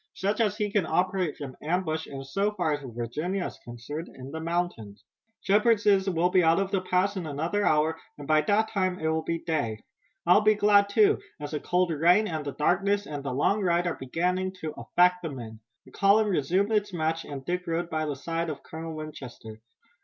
"Such as he can operate only from ambush, and so far as Virginia is concerned, in the mountains. Shepard says we'll be out of the pass in another hour, and by that time it will be day. I'll be glad, too, as the cold rain and the darkness and the long ride are beginning to affect the men." The column resumed its march, Dick rode by the side of Colonel Winchester.